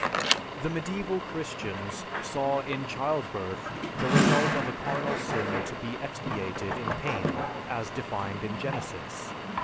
The medieval Christians saw in childbirth the result of a carnal sin to be expiated in pain as defined in Genesis.